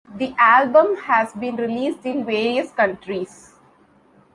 The album has been released in various countries.